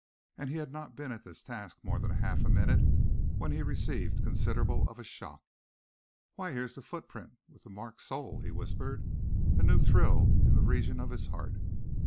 And he had not been at this task more than half a minute when he received considerable of a shock. "Why, here's that footprint with the marked sole!" he whispered, a new thrill in the region of his heart.